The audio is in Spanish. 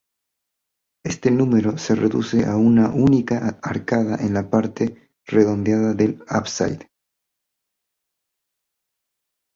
Este número se reduce a una única arcada en la parte redondeada del ábside.